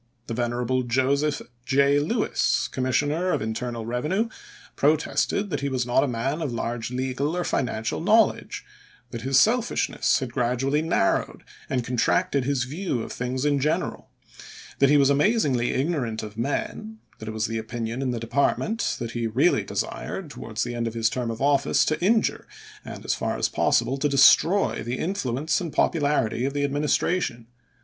The venerable Joseph J. Lewis, Commis sioner of Internal Eevenue, protested that he was not a man of large legal or financial knowledge ; that his selfishness had gradually narrowed and contracted his views of things in general; that he was amazingly ignorant of men ; that it was the opinion in the department that he really desired CHASE AS CHIEF JUSTICE 393 towards the end of his term of office to injure and, ch. xvii. as far as possible, to destroy the influence and popularity of the Administration.